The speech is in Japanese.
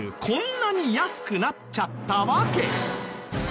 こんなに安くなっちゃった訳。